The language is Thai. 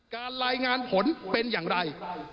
รายงานผลเป็นอย่างไร